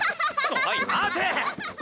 おい待て！